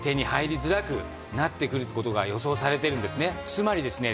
つまりですね